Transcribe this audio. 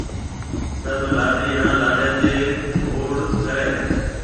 سڀ لاڏَي ھان لاڏِي تيَ گھوڙ ڪرَي ھيََََ